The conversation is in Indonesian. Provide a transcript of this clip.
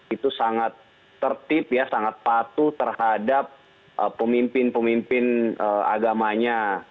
itu sangat tertib ya sangat patuh terhadap pemimpin pemimpin agamanya